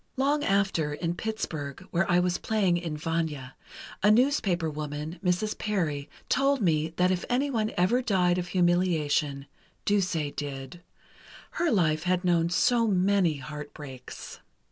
"Long after, in Pittsburgh, where I was playing in 'Vanya,' a newspaper woman, Mrs. Parry, told me that if anyone ever died of humiliation, Duse did ... her life had known so many heartbreaks.